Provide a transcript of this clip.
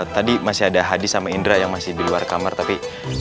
tadi masih ada hadi sama indra yang masih di luar kamar tapi